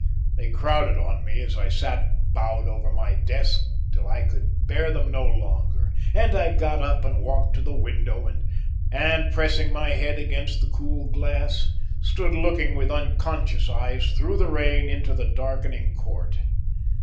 They crowded on me as I sat bowed over my desk till I could bear them no longer and I got up and walked to the window and, pressing my head against the cool glass, stood looking with unconscious eyes through the rain into the darkening court.